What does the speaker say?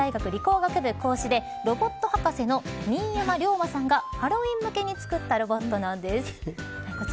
こちらは、明治大学理工学部講師でロボット博士の新山龍馬さんが、ハロウィーン向けに作ったロボットなんです。